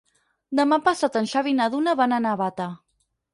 Demà passat en Xavi i na Duna van a Navata.